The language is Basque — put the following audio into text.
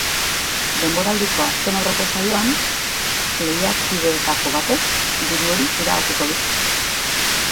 Denboraldiko azken aurreko saioan, lehiakideetako batek diru hori irabaziko du.